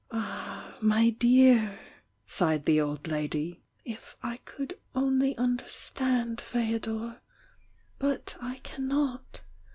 "Ah, my dear!" sighed the old lady— "If I could only understand Feodor!— but I cannot!